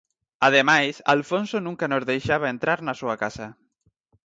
Ademais, Alfonso nunca nos deixaba entrar na súa casa.